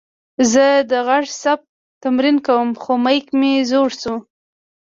زه د غږ ثبت تمرین کوم، خو میک مې زوړ شوې.